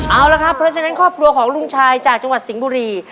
เอาละครับเพราะฉะนั้นครอบครัวของลุงชายจากจังหวัดสิงห์บุรี